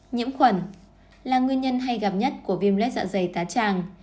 nhiễm khuẩn là nguyên nhân hay gặp nhất của viêm lết dạ dày tá tràng